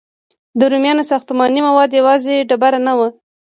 د رومیانو ساختماني مواد یوازې ډبره نه وه.